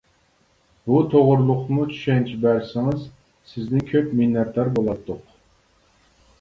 بۇ توغرۇلۇقمۇ چۈشەنچە بەرسىڭىز، سىزدىن كۆپ مىننەتدار بولاتتۇق.